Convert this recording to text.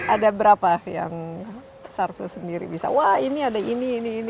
ada berapa yang sarvo sendiri bisa wah ini ada ini ini ini